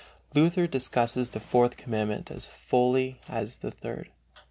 Luther discusses the Fourth Commandment as fully as the Third.